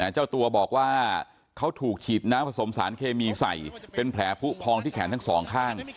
เจ้าตัวบอกว่าเขาถูกฉีดน้ำผสมสารเคมีใส่เป็นแผลผู้พองที่แขนทั้งสองข้าง